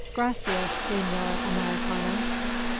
"Gracias, Senor Americano!"